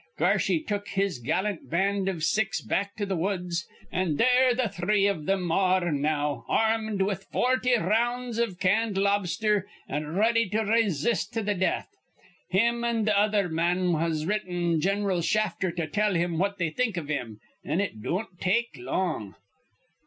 Garshy took his gallant band iv six back to th' woods; an' there th' three iv thim ar re now, ar rmed with forty r rounds iv canned lobster, an' ready to raysist to th' death. Him an' th' other man has written to Gin'ral Shafter to tell him what they think iv him, an' it don't take long."